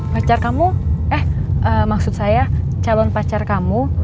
pacar kamu eh maksud saya calon pacar kamu